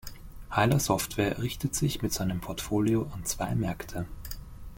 Heiler Software richtet sich mit seinem Portfolio an zwei Märkte.